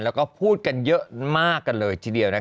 แล้วก็พูดกันเยอะมากกันเลย